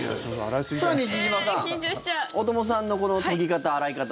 さあ、西島さん大友さんのこの研ぎ方、洗い方。